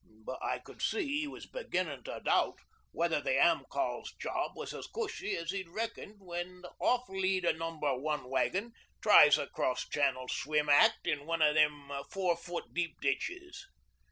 But I could see he was beginnin' to doubt whether the Am. Col.'s job was as cushy as he'd reckoned when the off lead o' Number One wagon tries a cross Channel swim act in one of them four foot deep ditches.